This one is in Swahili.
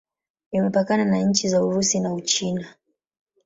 Imepakana na nchi za Urusi na Uchina.